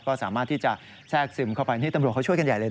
ก็สามารถที่จะแทรกซึมเข้าไปนี่ตำรวจเขาช่วยกันใหญ่เลย